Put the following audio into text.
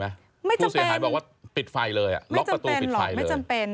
ไม่จำเป็นผู้เสียหายบอกว่าปิดไฟเลยอ่ะล็อกประตูปิดไฟเลยไม่จำเป็นหรอกไม่จำเป็น